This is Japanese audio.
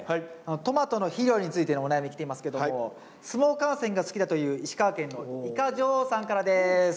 トマトの肥料についてのお悩み来ていますけども相撲観戦が好きだという石川県のイカ女王さんからです。